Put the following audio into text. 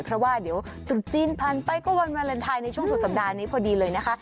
เพราะว่าเดี๋ยวตรุษจีนผ่านไปก็วันวาเลนไทยในช่วงสุดสัปดาห์นี้พอดีเลยนะคะ